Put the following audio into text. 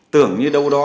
tưởng như đâu đó